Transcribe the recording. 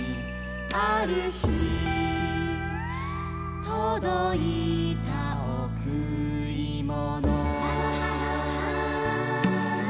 「あるひとどいたおくりもの」「」